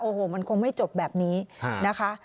โอ้โหมันคงไม่จบแบบนี้นะคะ